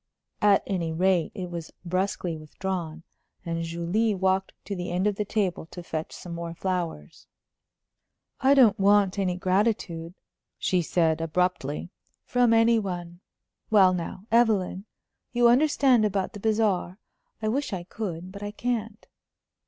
At any rate, it was brusquely withdrawn, and Julie walked to the end of the table to fetch some more flowers. "I don't want any gratitude," she said, abruptly, "from any one. Well, now, Evelyn, you understand about the bazaar? I wish I could, but I can't."